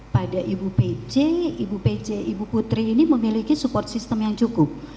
pada ibu pece ibu pece ibu putri ini memiliki support system yang cukup